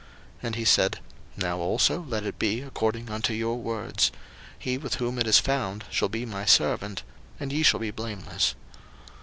01:044:010 And he said, Now also let it be according unto your words: he with whom it is found shall be my servant; and ye shall be blameless.